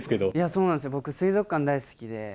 そうなんですよ、僕、水族館大好きで。